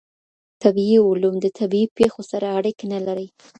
طبیعي علوم د طبیعي پېښو سره اړیکي نه لري.